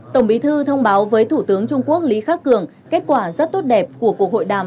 tổng bí thư thông báo với thủ tướng trung quốc lý khắc cường kết quả rất tốt đẹp của cuộc hội đàm